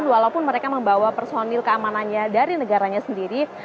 walaupun mereka membawa personil keamanannya dari negaranya sendiri